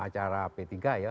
acara p tiga ya